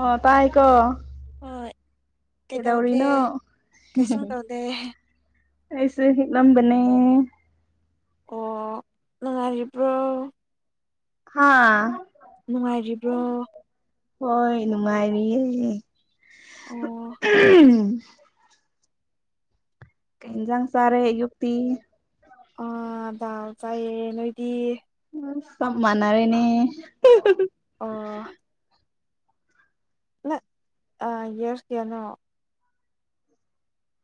ꯑꯣ ꯇꯥꯏꯀꯣ ꯍꯣꯏ ꯀꯩꯗꯧꯒꯦ ꯀꯩꯗꯧꯔꯤꯅꯣ ꯀꯩꯁꯨꯝ ꯇꯧꯗꯦ ꯑꯩꯁꯦ ꯍꯤꯞꯂꯝꯕꯅꯦ ꯑꯣ ꯅꯨꯡꯉꯥꯢꯔꯤꯕ꯭ꯔꯣ ꯍꯥꯥ ꯅꯨꯡꯉꯥꯏꯔꯤꯕ꯭ꯔꯣ ꯍꯣꯏ ꯅꯨꯡꯉꯥꯏꯔꯤꯌꯦ ꯑꯣ ꯀꯩꯟꯖꯥꯡ ꯆꯥꯔꯦ ꯑꯨꯌꯛꯇꯤ ꯑ ꯗꯥꯜ ꯆꯥꯏꯌꯦ ꯅꯣꯏꯗꯤ ꯑꯥ ꯆꯥꯞ ꯃꯥꯟꯅꯔꯦꯅꯦ ꯑꯣ ꯅꯪ ꯑꯥ ꯌꯦꯔꯁ ꯀꯌꯥꯅꯣ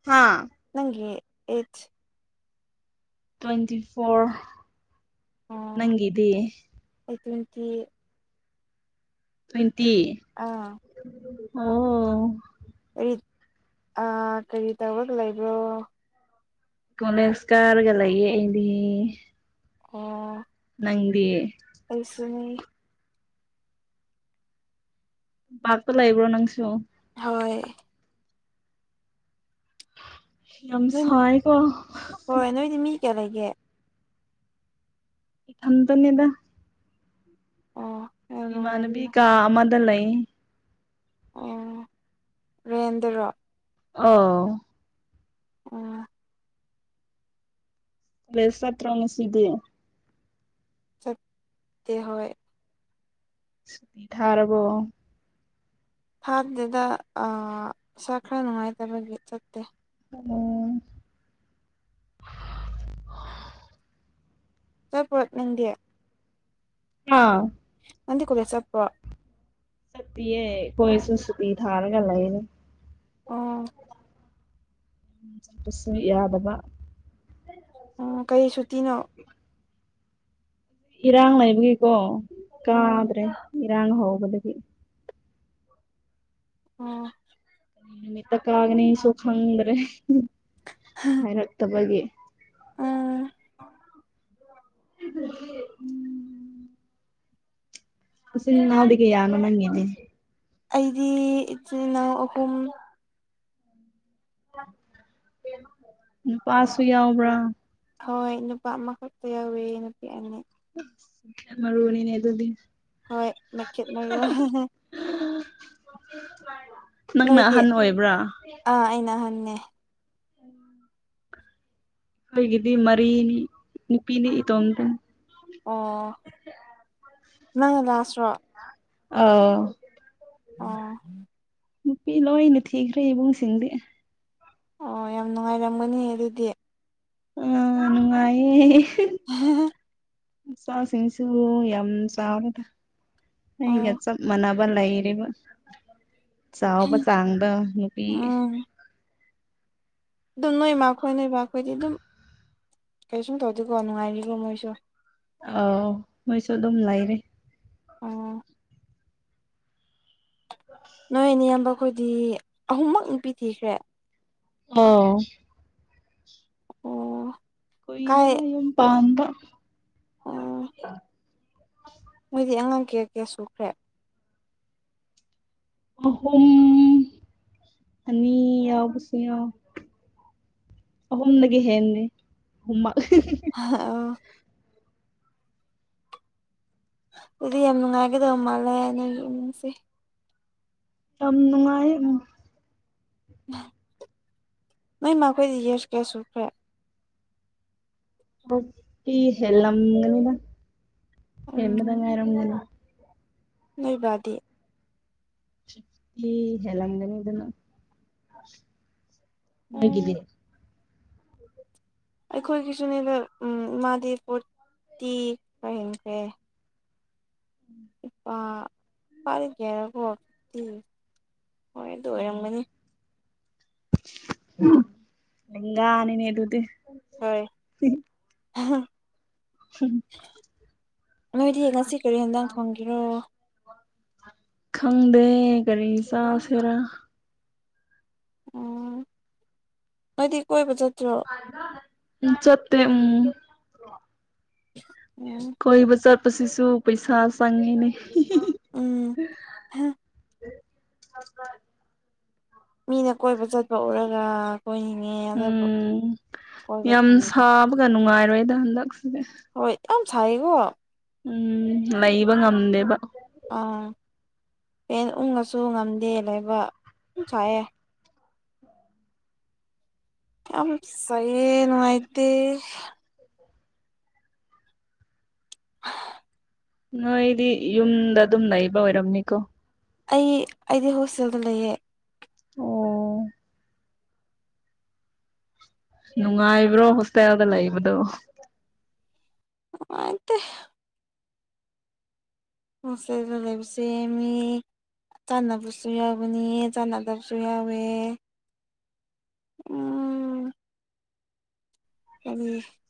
ꯍꯥꯥ ꯅꯪꯒꯤ ꯑꯦꯠꯁ ꯇ꯭ꯋꯦꯟꯇꯤ ꯐꯣꯔ ꯅꯪꯒꯤꯗꯤ ꯑꯩ ꯇ꯭ꯋꯦꯟꯇꯤ ꯇ꯭ꯋꯦꯟꯇꯤ ꯑꯥ ꯑꯣ ꯀꯔꯤ ꯀꯔꯤ ꯇꯧꯔꯒ ꯂꯩꯕ꯭ꯔꯣ ꯀꯣꯂꯦꯁ ꯀꯔꯒ ꯂꯩꯌꯦ ꯑꯩꯗꯤ ꯑꯣ ꯅꯪꯗꯤ ꯑꯩꯁꯨꯅꯦ ꯇꯥꯝꯄꯥꯛꯇ ꯂꯩꯕ꯭ꯔꯣ ꯅꯪꯁꯨ ꯍꯣꯏ ꯌꯥꯝ ꯅꯣꯏ ꯁꯥꯢꯑꯦꯒꯣ ꯍꯣꯏ ꯅꯣꯏꯗꯤ ꯃꯤ ꯀꯌꯥ ꯂꯩꯒꯦ ꯊꯟꯇꯅꯦꯗ ꯑꯣ ꯌꯥꯝ ꯏꯃꯥꯟꯅꯕꯤ ꯅꯨꯡꯉꯥꯏꯔꯤꯅ ꯀꯥ ꯑꯃꯗ ꯂꯩ ꯑꯣ ꯔꯦꯟꯗꯔꯣ ꯑꯣ ꯑꯣ ꯀꯣꯂꯦꯖ ꯆꯠꯇꯔꯣ ꯉꯁꯤꯗꯤ ꯆꯠꯇꯦ ꯍꯣꯏ ꯁꯨꯇꯤ ꯊꯥꯔꯕꯣ ꯊꯥꯗꯦꯗ ꯑ ꯏꯁꯥ ꯈꯔ ꯅꯨꯡꯉꯥꯏꯇꯕꯒꯤ ꯆꯠꯇꯦ ꯑꯣ [unintelligible] ꯅꯪꯗꯤ [unintelligible] ꯅꯪꯗꯤ ꯀꯣꯂꯦꯖ ꯆꯠꯄꯔꯣ ꯄꯤꯌꯦ ꯀꯣꯂꯦꯖꯁꯨ ꯁꯨꯇꯤ ꯊꯥꯔꯒ ꯂꯩꯔꯦ ꯑꯣ ꯆꯁꯨ ꯌꯥꯗꯕ ꯑꯣ ꯀꯔꯤ ꯁꯨꯇꯤꯅꯣ ꯏꯔꯥꯡ ꯂꯩꯕꯒꯤꯀꯣ ꯑꯣ ꯀꯥꯗ꯭ꯔꯦ ꯏꯔꯥꯡ ꯍꯧꯕꯗꯒꯤ ꯑꯣ ꯅꯨꯃꯤꯠꯇ ꯀꯥꯒꯅꯤꯁꯨ ꯈꯪꯗ꯭ꯔꯦ ꯍꯥꯏꯔꯛꯇꯕꯒꯤ ꯑꯥ [unintelligible] ꯏꯆꯤꯟ ꯏꯅꯥꯎꯗꯤ ꯀꯌꯥꯅꯣ ꯅꯪꯒꯤꯗꯤ ꯑꯩꯗꯤ ꯏꯆꯤꯜ ꯏꯅꯥꯎ ꯑꯍꯨꯝ ꯅꯨꯄꯥꯁꯨ ꯌꯥꯎꯕ꯭ꯔꯥ ꯍꯣꯏ ꯅꯨꯄꯥ ꯑꯃꯈꯛꯇ ꯌꯥꯎꯋꯤ ꯅꯨꯄꯤ ꯑꯅꯤ ꯃꯔꯨꯅꯤꯅꯦ ꯑꯗꯨꯗꯤ ꯍꯣꯏ ꯃꯦꯈꯦꯠ ꯃꯔꯨ ꯅꯪꯅ ꯅꯣꯏꯗꯤ ꯑꯍꯟ ꯑꯣꯏꯕ꯭ꯔꯥ ꯑꯥ ꯑꯩꯅ ꯑꯍꯟꯅꯦ [inaudible] ꯑꯩꯈꯣꯏꯒꯤꯗꯤ ꯃꯔꯤꯅꯤ ꯅꯨꯄꯤꯅꯤ ꯏꯇꯣꯝꯗꯅꯤ ꯑꯣ ꯅꯪꯅ ꯂꯥꯁꯠꯔꯣ ꯑꯧ ꯑꯣ ꯅꯨꯄꯤ ꯂꯣꯏꯅ ꯊꯤꯈ꯭ꯔꯦ ꯏꯕꯨꯡꯁꯤꯡꯗꯤ ꯑꯣ ꯌꯥꯝ ꯅꯨꯡꯉꯥꯏꯔꯝꯒꯅꯤ ꯑꯗꯨꯗꯤ ꯑ ꯅꯨꯡꯉꯥꯏꯌꯦ [unintelligible] ꯏꯆꯥꯁꯤꯡ ꯁꯨ ꯌꯥꯝ ꯆꯥꯎꯔꯦꯗ ꯑꯩꯒ ꯑꯣ ꯆꯞ ꯃꯥꯟꯅꯕ ꯂꯩꯔꯤꯕ ꯆꯥꯎꯕ ꯆꯥꯡꯗꯣ ꯅꯨꯄꯤ ꯎꯝ ꯑꯗꯨꯝ ꯅꯣꯏ ꯃꯥ ꯈꯣꯏ ꯅꯣꯏꯕꯥ ꯈꯣꯏꯗꯤ ꯑꯗꯨꯝ ꯀꯩꯁꯨꯝ ꯇꯧꯗꯦꯀꯣ ꯅꯨꯡꯉꯥꯏꯔꯤꯀꯣ ꯃꯣꯏꯁꯨ ꯑꯥꯎ ꯃꯣꯏꯁꯨ ꯑꯗꯨꯝ ꯂꯩꯔꯤ ꯑꯣ [unintelligible] ꯅꯣꯏ ꯅꯌꯥꯝꯕ ꯈꯣꯏꯗꯤ ꯑꯍꯨꯝꯃꯛ ꯅꯨꯄꯤ ꯊꯤꯈ꯭ꯔꯦ ꯑꯥꯎ ꯑꯣ ꯀꯥꯏ ꯀꯨꯏꯔꯦꯗꯥ ꯌꯨꯝ ꯄꯥꯟꯕ ꯑ ꯃꯣꯏꯗꯤ ꯑꯉꯥꯡ ꯀꯌꯥ ꯀꯌꯥ ꯁꯨꯈ꯭ꯔꯦ ꯑꯍꯨꯝ [unintelligible] ꯑꯅꯤ ꯌꯥꯎꯕꯁꯨ ꯌꯥꯎ ꯑꯍꯨꯝꯗꯒꯤ ꯍꯦꯟꯗ‌ꯦ ꯑꯍꯨꯝꯃꯛ ꯑꯣ ꯑꯗꯨꯗꯤ ꯌꯥꯝ ꯅꯨꯡꯉꯥꯏꯒꯗꯕ ꯃꯥꯜꯂꯦ ꯅ‌ꯣꯏꯒꯤ ꯏꯃꯨꯡꯁꯦ ꯌꯥꯝ ꯅꯨꯡꯉꯥꯏ ꯎꯝ ꯅꯣꯏ ꯃꯥ ꯈꯣꯏꯗꯤ ꯌꯦꯁ ꯀꯌꯥ ꯁꯨꯈ꯭ꯔꯦ ꯇꯤ ꯍꯦꯜꯂꯝꯒꯅꯤꯗ ꯍ‌ꯦꯟꯕꯗꯥ ꯎꯝ ꯉꯥꯏꯔꯝꯒꯅꯤ ꯅꯣꯏ ꯕꯥꯗꯤ ꯐꯤꯞꯇꯤ ꯍꯦꯟꯂꯝꯒꯅꯤꯗꯅ ꯅꯣꯏꯒꯤꯗꯤ ꯎꯝ ꯑꯩꯈꯣꯏꯒꯤꯁꯨꯅꯦꯕ ꯏꯃꯥꯗꯤ ꯐꯣꯔꯇꯤ ꯈꯔ ꯍꯦꯟꯈ꯭ꯔꯦ [unintelligible] [unintelligible] ꯍꯣꯏ ꯑꯗꯨ ꯑꯣꯏꯔꯝꯒꯅꯤ ꯂꯦꯡꯒꯥꯅꯤꯅꯦꯗꯨꯗꯤ ꯍꯣꯏ ꯅꯣꯏꯗꯤ ꯉꯁꯤ ꯀꯔꯤ ꯍꯦꯟꯖꯥꯡ ꯊꯣꯡꯒꯤꯔꯣ ꯈꯪꯗꯦ ꯀꯔꯤ ꯆꯥꯥꯁꯦꯔ ꯑꯣ ꯅꯣꯏꯗꯤ ꯀꯣꯏꯕ ꯆꯠꯇ꯭ꯔꯣ ꯎꯝ ꯆꯠꯇꯦ ꯎꯝ ꯑꯣ ꯀꯣꯏꯕ ꯆꯠꯄꯁꯤꯁꯨ ꯄꯩꯁꯥ ꯆꯪꯉꯤꯅꯦ ꯎꯝ [unintelligible] ꯃꯤꯅ ꯀꯣꯏꯕ ꯆꯠꯄ ꯎꯔꯒ ꯀꯣꯏꯅꯤꯡꯉꯦ ꯑꯗꯨꯕꯨ ꯎꯝ ꯀꯣꯏꯕ ꯌꯥꯝ ꯐꯪꯒꯦ ꯁꯥꯕꯒ ꯅꯨꯡꯉꯥꯏꯔꯣꯏꯗ ꯍꯟꯗꯛꯁꯤꯗꯤ ꯍꯣꯏ ꯌꯥꯝ ꯁꯥꯏꯌꯦꯀꯣ ꯎꯝ ꯂꯩꯕ ꯉꯝꯗꯦꯕ ꯑꯥ ꯐ‌ꯦꯟ ꯎꯪꯉꯁꯨ ꯉꯝꯗꯦ ꯂꯩꯕ ꯁꯥꯏꯑꯦ ꯌꯥꯝ ꯁꯩꯋ‌ꯦ ꯅꯨꯡꯉꯥꯏꯇ‌ꯦ ꯅꯣꯏꯗꯤ ꯌꯨꯝꯗ ꯑꯗꯨꯝ ꯂꯩꯩꯕ ꯑꯣꯏꯔꯝꯅꯤꯀꯣ ꯑꯩ ꯑꯩꯗꯤ ꯍꯣꯁꯇꯦꯜꯗ ꯂꯩꯌꯦ ꯑꯣ ꯅꯨꯡꯉꯥꯏꯕ꯭ꯔꯣ ꯍꯣꯁꯇꯦꯜꯗ ꯂꯩꯕꯗꯣ ꯅꯨꯡꯉꯥꯏꯇꯦ ꯍꯣꯁꯇꯦꯜꯗ ꯂꯩꯕꯁꯤ ꯃꯤ ꯆꯥꯟꯅꯕꯁꯨ ꯌꯥꯎꯒꯅꯤ ꯆꯥꯟꯅꯗꯕꯁꯨ ꯌꯥꯎꯋꯦ ꯎꯝ [unintelligible]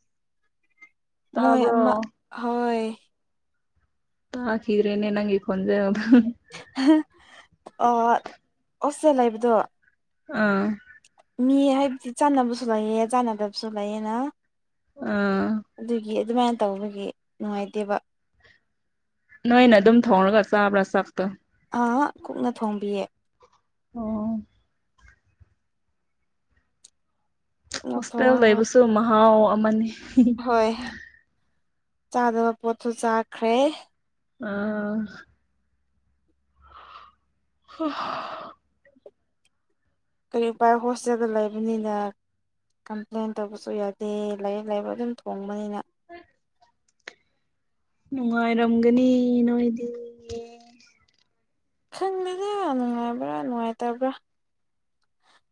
ꯃꯣꯏ ꯑꯃ ꯇꯥꯕ꯭ꯔꯣ ꯍꯣꯏ ꯇꯥꯈꯤꯗ꯭ꯔꯦꯅꯦ ꯅꯪ ꯈꯣꯟꯆꯦꯜꯗꯨ ꯑ ꯑꯣꯁ [unintelligible] ꯂꯩꯕꯗꯣ ꯑꯥ ꯃꯤ ꯍꯥꯏꯕꯗꯤ ꯆꯥꯟꯅꯕꯁꯨ ꯂꯩꯌ‌ꯦ ꯆꯥꯟꯅꯗꯕꯁꯨ ꯂꯩꯌꯦꯅ ꯑꯥ ꯑꯗꯨꯒꯤ ꯑꯗꯨꯃꯥꯏꯅ ꯇꯧꯕꯒꯤ ꯅꯨꯡꯉꯥꯏꯇꯦꯕ ꯅꯣꯏꯅ ꯑꯗꯨꯝ ꯊꯧꯔꯒ ꯆꯥꯕ꯭ꯔꯥ ꯆꯥꯛꯇꯣ ꯑꯥ [unintelligible] ꯀꯨꯛꯅ ꯊꯣꯡꯕꯤꯌꯦ ꯑꯣ ꯀꯨꯛꯅ ꯍꯣꯁꯇ‌ꯦꯜ ꯊꯣꯡꯉꯒ ꯂꯩꯕꯁꯨ ꯃꯍꯥꯎ ꯑꯃꯅꯤ ꯍꯣꯏ ꯆꯥꯗꯕ ꯄꯣꯠꯁꯨ ꯆꯥꯈ꯭ꯔꯦ ꯑꯥ ꯍꯨꯁ [unintelligible] ꯀꯔꯤꯒꯨꯝꯕꯥꯥꯏ [unintelligible] ꯍꯣꯁꯇꯦꯜꯗ ꯂꯩꯕꯅꯤꯅꯦ ꯀꯝꯄ꯭ꯂꯦꯟ ꯇꯧꯕꯁꯨ ꯌꯥꯗꯦ ꯂꯥꯏꯔꯤꯛ ꯂꯥꯏꯛ ꯑꯗꯨꯝ ꯊꯣꯡꯕꯅꯤꯅ ꯎꯝ [inaudible] ꯅꯨꯡꯉꯥꯏꯔꯝꯒꯅꯤ ꯅꯣꯏꯗꯤ ꯈꯪꯗꯦꯗ ꯅꯨꯡꯉꯥꯏꯕ꯭ꯔꯥ ꯅꯨꯡꯉꯥꯏꯇꯕ꯭ꯔꯥ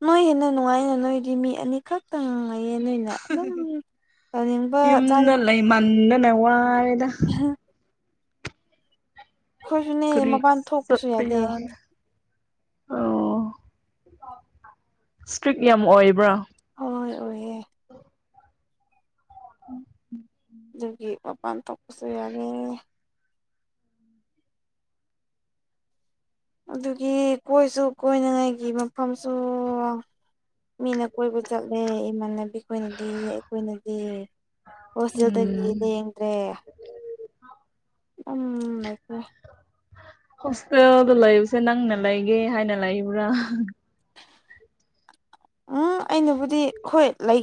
ꯅꯣꯏ ꯍꯦꯟꯅ ꯅꯨꯡꯉꯥꯏꯅ ꯅꯣꯏꯗꯤ ꯃꯤ ꯑꯅꯤꯈꯛꯇ ꯉꯥꯡꯉꯩꯌꯦ ꯅꯣꯏꯅ ꯑꯗꯨꯝ ꯇꯧꯅꯤꯡꯕ ꯌꯨꯝꯗ ꯆꯥꯅꯤꯡ ꯂꯩꯃꯟꯗꯅ ꯋꯥꯔ‌ꯦꯗ ꯑ [unintelligible] ꯑꯩꯈꯣꯏꯁꯨꯅꯦ ꯀꯔꯤ ꯃꯄꯥꯟ ꯊꯣꯛꯄꯁꯨ ꯆꯠꯄꯥ ꯌꯥꯗꯦ ꯌꯥꯗ‌ꯦ ꯑꯣ ꯏꯁꯇ꯭ꯔꯤꯛ ꯌꯥꯝ ꯑꯣꯏꯕ꯭ꯔꯥ ꯍꯣꯏ ꯑꯣꯏꯌꯦ ꯎꯝ ꯎꯝ [inaudible] ꯑꯗꯨꯒꯤ ꯃꯄꯥꯟ ꯊꯣꯛꯄꯁꯨ ꯌꯥꯗ‌ꯦ ꯑꯗꯨꯒꯤ ꯀꯣꯏꯁꯨ ꯀꯣꯏꯅꯉꯥꯏꯒꯤ ꯃꯐꯝꯁꯨ ꯃꯤꯅ ꯀꯣꯏꯕ ꯆꯠꯂꯦ ꯏꯃꯥꯟꯅꯕꯤ ꯈꯣꯏꯅꯗꯤ ꯑꯩꯈꯣꯏꯅꯗꯤ ꯍꯣꯁꯇꯦꯜꯗꯗꯒꯤ ꯎꯝ ꯂ‌ꯦꯡꯗ꯭ꯔꯦ ꯎꯝꯦ [unintelligible] ꯍꯣꯁꯇꯦꯜꯗ ꯂꯩꯕꯁꯦ ꯅꯪꯅ ꯂꯩꯒꯦ ꯍꯥꯏꯅ ꯂꯩꯕ꯭ꯔꯥ ꯎꯝ ꯑꯩꯅꯕꯨꯗꯤ ꯍꯈꯣꯏ ꯂꯩ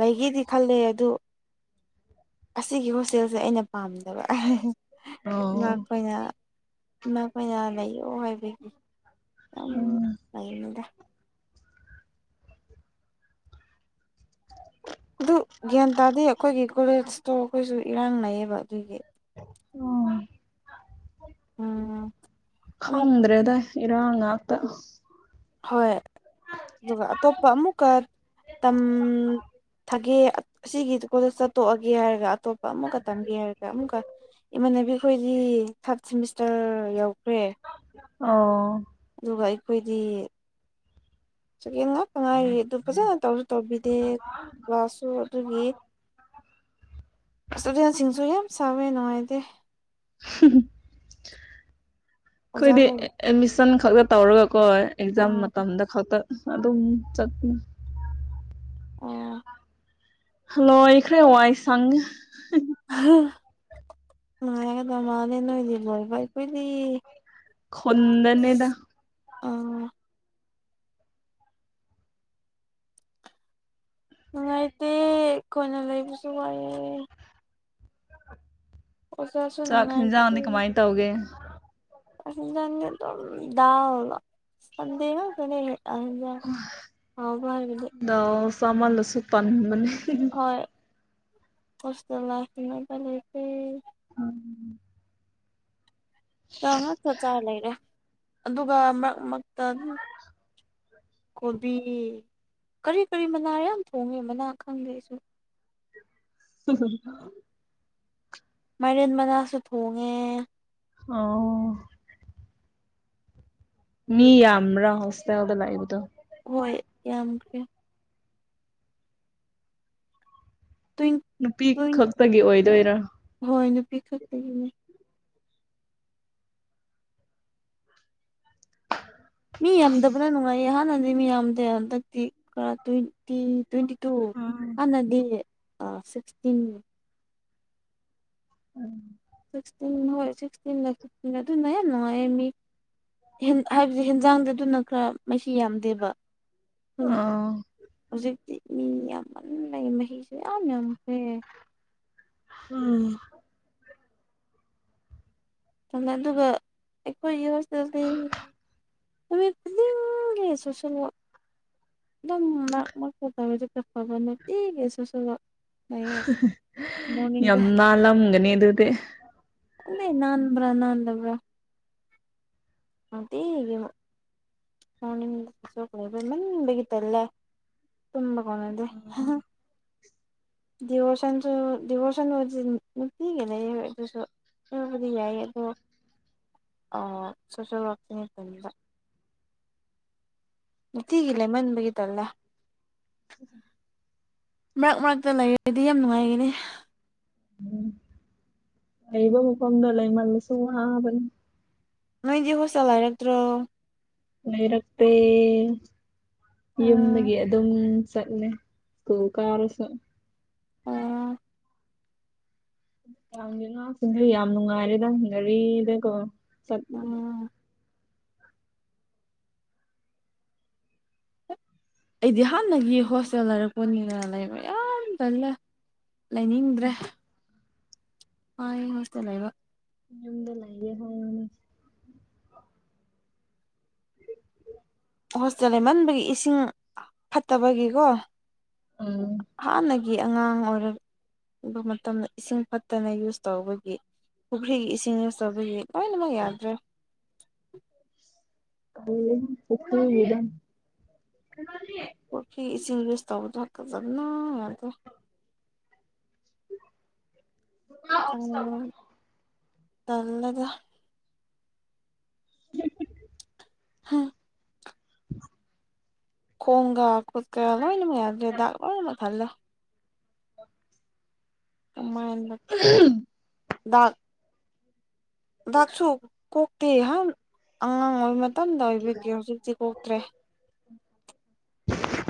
ꯂꯩꯒꯦꯗꯤ ꯈꯜꯂꯦ ꯑꯗꯨ ꯑꯁꯤꯒꯤ ꯍꯣꯁꯇꯦꯜꯁꯦ ꯑꯩꯅ ꯄꯥꯝꯗꯕ ꯏꯃꯥ ꯑꯣ ꯈꫭꯏꯅ ꯏꯃ ꯈꫭꯏꯅ ꯂꯩꯌꯣ ꯍꯥꯏꯕꯒꯤ ꯎꯝ ꯂꯩꯔꯨꯅꯨꯗ ꯑꯗꯨ ꯒ꯭ꯌꯥꯟ ꯇꯥꯗꯦ ꯑꯩꯈꯣꯏꯒꯤ ꯀꯣꯂꯦꯖꯇꯣ ꯑꯩꯈꯣꯏꯁꯨ ꯏꯔꯥꯡ ꯂꯩꯩꯌꯦꯕ ꯑꯗꯨꯒꯤ ꯑꯣ ꯎꯝ ꯑꯃꯨꯛ ꯈꯗ꯭ꯔꯦꯗ ꯏꯔꯥꯡꯉꯥꯛꯇ ꯍꯣꯏ ꯑꯗꯨꯒ ꯑꯇꯣꯞꯄ ꯑꯃꯨꯛꯀ ꯇꯝ ꯊꯥꯒꯦ ꯑꯁꯤꯒꯤ ꯀꯣꯂ‌ꯦꯁꯖ ꯆꯠꯇꯣꯛꯑꯒꯦ ꯍꯥꯏꯔꯒ ꯑꯇꯣꯞꯄ ꯑꯃꯨꯛꯀ ꯇꯝꯒꯦ ꯍꯥꯏꯔꯒ ꯑꯃꯨꯛꯀ ꯏꯃꯥꯟꯅꯕꯤ ꯈꫪꯈꯣꯏꯗꯤ ꯊꯥꯔꯠ ꯁꯦꯃꯤꯁꯇꯔ ꯌꯧꯈ꯭ꯔꯦ ꯑꯣ ꯑꯗꯨꯒ ꯑꯩꯈꯣꯏꯗꯤ ꯁ‌ꯦꯀꯦꯟ ꯉꯥꯛꯇꯥ ꯉꯥꯏꯔꯤ ꯑꯗꯨ ꯐꯖꯅ ꯇꯧ ꯇꯣꯕꯤꯗꯦ ꯀꯂꯥ꯭ꯁꯁꯨ ꯑꯗꯨꯒꯤ ꯏꯁꯇꯨꯗꯦꯟꯁꯤꯡꯁꯨ ꯌꯥꯝ ꯁꯥꯎꯋꯦ ꯅꯨꯡꯉꯥꯏꯇꯦ ꯑꯩꯈꯣꯏꯗꯤ ꯑꯣꯖꯥꯈꯣꯏ ꯑꯦꯠꯃꯤꯁꯟ ꯈꯛꯇ ꯇꯧꯔꯒꯀꯣ ꯑꯦꯛꯖꯥꯝ ꯑꯥ ꯃꯇꯝꯗ ꯈꯛꯇ ꯑꯗꯨꯝ ꯆꯠꯄꯅꯤ ꯑꯣ ꯂꯣꯏꯈꯔꯦ ꯋꯥꯏ ꯁꯪꯉꯦ ꯅꯨꯡꯉꯥꯢꯒꯕꯗ ꯃꯥꯂꯦ ꯅꯣꯢꯒꯤ [unintelligible] ꯈꯨꯟꯗꯅꯦꯗ ꯑꯥ ꯀꯣꯏꯅ ꯂꯩꯕꯁꯨ ꯋꯥꯏꯑꯦ ꯑꯣꯖꯥꯁꯨ ꯆꯥꯛ ꯅꯨꯡꯉꯥꯏꯇꯦ ꯌꯦꯟꯖꯥꯡꯗꯤ ꯀꯃꯥꯏꯅ ꯇꯧꯒꯦ ꯑꯗꯨꯝ ꯗꯥꯜ ꯁꯟꯗꯦ ꯈꯛꯇꯅꯦ ꯑꯗꯨꯗ [unintelligible] ꯗꯥꯜ ꯆꯥꯃꯜꯂꯁꯨ ꯇꯟꯕꯅꯤ ꯍꯣꯢ [unintelligible] ꯗꯥꯜ ꯉꯥꯛꯇ ꯆꯥ ꯂꯩꯔꯦ ꯑꯗꯨꯒ ꯃꯔꯛ ꯃꯔꯛꯇ ꯑꯗꯨꯝ ꯀꯣꯕꯤ ꯀꯔꯤ ꯀꯔꯤ ꯃꯅꯥ ꯌꯥꯝ ꯊꯣꯡꯉꯦ ꯃꯅꯥ ꯈꯪꯗꯦ ꯑꯩꯁꯨ ꯎ [unintelligible] ꯃꯥꯏꯔꯦꯟ ꯃꯅꯥꯁꯨ ꯊꯣꯡꯉꯦ ꯑꯣ ꯃꯤ ꯌꯥꯝꯕꯔꯥ ꯍꯣꯁꯇꯦꯜꯗ ꯂꯩꯕꯗꯣ ꯍꯣꯏ ꯌꯥꯝꯈ꯭ꯔꯦ ꯇ꯭ꯋꯦꯟ ꯅꯨꯄꯤ ꯇ꯭ꯋꯦꯟ ꯈꯛꯇꯒꯤ ꯑꯣꯏꯗꯣꯏꯔꯣ ꯍꯣꯏ ꯅꯨꯄꯤ ꯈꯛꯇꯒꯤꯅꯦ ꯃꯤ ꯌꯥꯝꯗꯕꯅ ꯅꯨꯡꯉꯥꯢ ꯍꯥꯟꯅꯗꯤ ꯃꯤ ꯌꯥꯝꯗꯦ ꯍꯟꯗꯛꯇꯤ ꯈꯔ ꯇꯨ ꯇ꯭ꯋꯦꯟꯇꯤ ꯇꯨ ꯍꯥꯟꯅꯗꯤ ꯁꯤꯛꯁꯇꯤꯟ ꯎꯝ ꯁꯤꯛꯇꯤꯟ ꯍꯣꯢ ꯁꯤꯛꯇꯤꯟ ꯑꯗꯨꯅ ꯍꯦꯟꯅ ꯅꯨꯡꯉꯥꯏꯌꯦ ꯃꯤ ꯍꯥꯏꯕꯗꯤ ꯍꯦꯟꯖꯥꯡꯗꯤ ꯑꯗꯨꯅ ꯈꯔ ꯃꯍꯤ ꯌꯥꯝꯗꯦꯕ ꯑꯥ ꯍꯧꯖꯤꯛꯇꯤ ꯃꯤ ꯌꯥꯝꯃꯟꯕꯅ ꯃꯍꯤꯁꯨ ꯌꯥꯝ ꯌꯥꯝꯈ꯭ꯔꯦ ꯑꯥ ꯑꯗꯨꯒ ꯑꯩꯈꯣꯏꯒꯤ ꯍꯣꯁꯇꯦꯜꯗꯤ ꯅꯨꯃꯥꯠ ꯈꯨꯗꯤꯛꯒꯤ ꯁꯣꯁꯦꯜ ꯋꯥꯛ ꯑꯗꯨꯝ ꯃꯔꯛ ꯃꯔꯛꯇ ꯇꯧꯔꯗꯤ ꯈꯔ ꯐꯕ ꯅꯨꯡꯇꯤꯒꯤ ꯁꯣꯁꯦꯜ ꯋꯥꯛ ꯂꯩꯌꯦ ꯌꯥꯝ ꯃꯣꯔꯅꯤꯡꯗ ꯅꯥꯜꯂꯝꯒꯅꯤ ꯑꯗꯨꯗꯤ ꯈꯪꯗꯦ ꯅꯥꯟꯕ꯭ꯔꯥ ꯅꯥꯟꯗꯕ꯭ꯔꯥ ꯅꯨꯡꯇꯤꯒꯤ [unintelligible] ꯇꯥꯜꯂꯦ ꯇꯨꯝꯕ ꯀꯣꯟꯅꯗꯦ ꯗꯤꯚꯣꯔꯁꯟꯁꯨ ꯗꯤꯚꯣꯔꯁꯟ ꯍꯣꯢꯁꯨ ꯅꯨꯡꯇꯤꯒꯤ ꯂꯩꯌꯦꯕ ꯑꯗꯨꯁꯨ ꯑꯗꯨꯕꯨꯗꯤ ꯌꯥꯏꯑꯦ ꯑꯗꯣ ꯑꯥ ꯁꯣꯁꯦꯜ ꯋꯥꯛ ꯃꯇꯥꯝꯗ ꯅꯨꯡꯇꯤꯒꯤ ꯂꯩꯃꯟꯕꯒꯤ ꯇꯜꯂꯦ ꯃꯔꯛ ꯃꯔꯛꯇ ꯂꯩꯔꯗꯤ ꯌꯥꯝ ꯅꯨꯡꯉꯥꯏꯒꯅꯤ ꯂꯩꯕ ꯃꯐꯝꯗ ꯂꯩꯃꯜꯂꯁꯨ ꯋꯥꯕꯅꯤ ꯅꯣꯏꯗꯤ ꯍꯣꯁꯇꯦꯜ ꯍꯥꯏꯔꯛꯇ꯭ꯔꯣ ꯂꯩꯔꯛꯇ‌ꯦ ꯌꯨꯝꯗꯒꯤ ꯑꯗꯨꯝ ꯆꯠꯂꯦ ꯏꯁ꯭ꯀꯨꯜ ꯀꯥꯔꯁꯨ ꯒꯤ [unintelligible] ꯉꯥꯁꯤꯡꯗꯤ ꯌꯥꯝ ꯅꯨꯡꯉꯥꯏꯔꯦꯗ ꯒꯥꯔꯤꯗꯀꯣ ꯆꯠꯂ‌ꯦ ꯑꯩꯗꯤ ꯍꯥꯟꯅꯒꯤ ꯍꯣꯁꯇꯦꯜ ꯂꯩꯔꯛꯄꯅꯤꯅ ꯂꯩꯕ ꯌꯥꯝ ꯇꯜꯂꯦ ꯂꯩꯅꯤꯡꯗ꯭ꯔꯦ ꯋꯥꯏ ꯍꫭꯁꯇ‌ꯦꯜ ꯂꯩꯕ ꯌꯨꯝꯗ ꯂꯩꯔ‌ꯦ [unintelligible] ꯍꯣꯁꯇꯦꯜ ꯂꯩꯃꯟꯕꯒꯤ ꯏꯁꯤꯡ ꯐꯠꯇꯕꯒꯤꯀꯣ ꯎꯝ ꯍꯥꯟꯅꯒꯤ ꯑꯉꯥꯡ ꯑꯣꯏꯔꯛ ꯑꯗꯨ ꯃꯇꯝꯗ ꯏꯁꯤꯡ ꯐꯠꯇꯅ ꯌꯨꯁ ꯇꯧꯕꯒꯤ ꯄꯨꯈ꯭ꯔꯤꯒꯤ ꯏꯁꯤꯡ ꯌꯨꯁ ꯇꯧꯕꯒꯤ ꯂꫭꯏꯅꯃꯛ ꯌꯥꯗ꯭ꯔꯦ ꯀꯛꯇꯗ [unintelligible] ꯄꯨꯈ꯭ꯔꯤ ꯏꯁꯤꯡ ꯌꯨꯁ ꯇꯧꯕꯗꯣ ꯐꯖꯅ ꯌꯥꯗꯦ ꯇꯜꯂ‌ꯦ ꯇ‌ꯜꯂ‌ꯦꯕ [unintelligible] ꯍꯥ ꯑ [unintelligible] ꯈꯣꯡꯒꯥ ꯈꯨꯠꯀꯥ ꯂꯣꯏꯅꯃꯛ ꯌꯥꯗ꯭ꯔ‌‌ꯦ ꯗꯥꯛ ꯂꯅ ꯈꯜꯗ [unintelligible] ꯑ [inaudible] ꯀꯃꯥꯏꯅ ꯗꯥꯛ ꯗꯤꯛꯁꯨ ꯀꯣꯛꯇꯦ ꯑꯩꯍꯥꯟ ꯑꯉꯥꯡ ꯑꯣꯏꯕ ꯃꯇꯝꯗ ꯑꯣꯏꯕꯤꯒꯦ ꯍꯧꯖꯤꯛꯇꯤ ꯀꯣꯛꯇ꯭ꯔꯦ